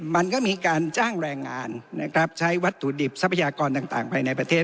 มันก็มีการจ้างแรงงานนะครับใช้วัตถุดิบทรัพยากรต่างภายในประเทศ